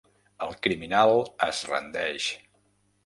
El criminal es rendeix.